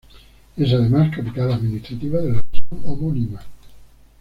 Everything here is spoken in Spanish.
Es, además, capital administrativa de la región homónima.